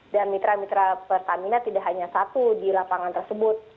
dan mitra mitra pertamina tidak hanya satu di lapangan tersebut